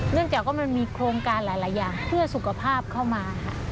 เนื่องจากมันมีโครงการหลายอย่างเพื่อสุขภาพเข้ามา